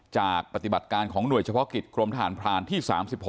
จากปฏิบัติการของหน่วยเฉพาะกิจโครงธนพราที่๓๖